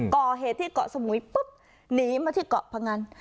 ก่อเหตุที่เกาะสมุยปุ๊บหนีมาที่เกาะพงัน